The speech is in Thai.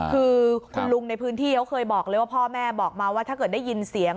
คือคุณลุงในพื้นที่เขาเคยบอกเลยว่าพ่อแม่บอกมาว่าถ้าเกิดได้ยินเสียง